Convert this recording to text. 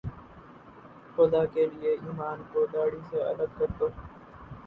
خدا کے لئے ایمان کو داڑھی سے الگ کر دو